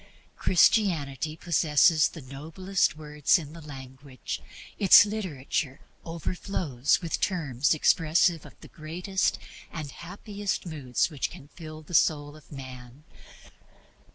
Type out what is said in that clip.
Christianity possesses the noblest words in the language; its literature overflows with terms expressive of the greatest and happiest moods which can fill the soul of man.